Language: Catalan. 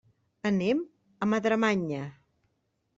Anem a Madremanya.